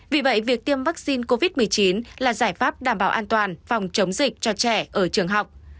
vì vậy việc tiêm vaccine covid một mươi chín là giải pháp đảm bảo an toàn phòng chống dịch cho trẻ ở trường học